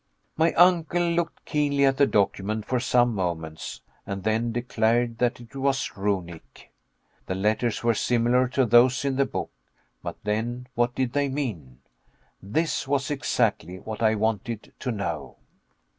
My uncle looked keenly at the document for some moments and then declared that it was Runic. The letters were similar to those in the book, but then what did they mean? This was exactly what I wanted to know.